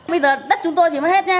bây giờ đất chúng tôi chỉ mới hết nha